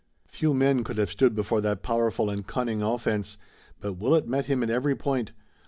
Few men could have stood before that powerful and cunning offense, but Willet met him at every point.